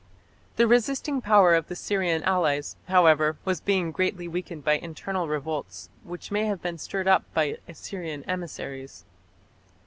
The resisting power of the Syrian allies, however, was being greatly weakened by internal revolts, which may have been stirred up by Assyrian emissaries.